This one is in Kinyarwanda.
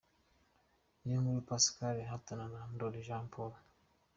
Niyonkuru Pascal ahatana na Ndoli Jean Paul.